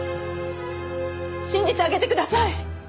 信じてあげてください！